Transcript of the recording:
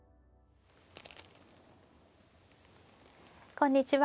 こんにちは。